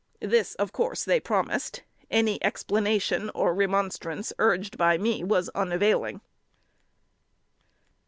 This of course they promised; any explanation or remonstrance urged by me was unavailing."